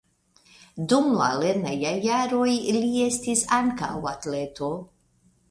Dum la lernejaj jaroj li estis ankaŭ atleto.